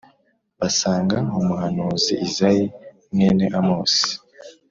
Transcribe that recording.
basanga umuhanuzi Izayi mwene Amosi,